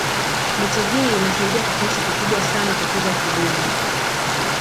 Mito hii inasaidia kwa kiasi kikubwa sana kukuza kilimo